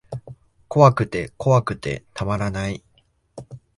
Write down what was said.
怖くて怖くてたまらない